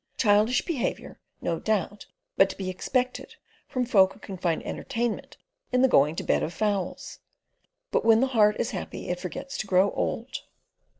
Childish behaviour, no doubt, but to be expected from folk who can find entertainment in the going to bed of fowls; but when the heart is happy it forgets to grow old.